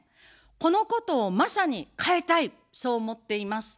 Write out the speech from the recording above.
このことをまさに変えたい、そう思っています。